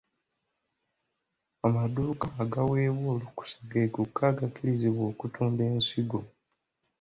Amadduuka agaaweebwa olukusa ge gokka agakkirizibwa okutunda ensigo.